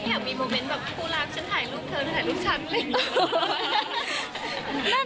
อยากมีโมเมนต์แบบผู้รักฉันถ่ายรูปเธอฉันถ่ายรูปฉันเลย